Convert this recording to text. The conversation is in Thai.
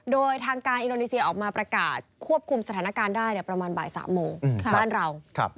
โดยทางการอินโดนีเซียออกมาประกาศควบคุมสถานการณ์ได้ประมาณบ่าย๓โมงบ้านเรา